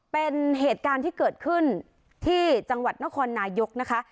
เป็นเหตุการณ์ที่เกิดขึ้นที่จังหวัดนครนายกนะคะ